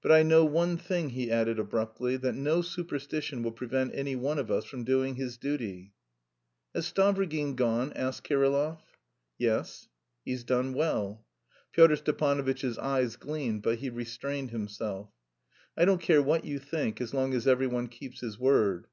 "But I know one thing," he added abruptly, "that no superstition will prevent any one of us from doing his duty." "Has Stavrogin gone?" asked Kirillov. "Yes." "He's done well." Pyotr Stepanovitch's eyes gleamed, but he restrained himself. "I don't care what you think as long as every one keeps his word."